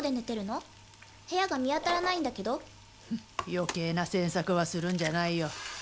余計な詮索はするんじゃないよ。